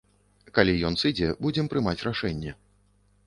Калі ён сыдзе, будзем прымаць рашэнне.